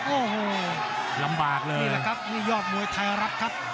โอ้โหลำบากเลยนี่แหละครับนี่ยอดมวยไทยรัฐครับ